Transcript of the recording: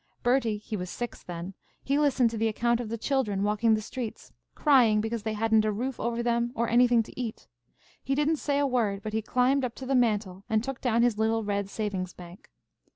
Bertie, he was six then, he listened to the account of the children walking the streets, crying because they hadn't a roof over them or anything to eat. He didn't say a word, but he climbed up to the mantel and took down his little red savings bank.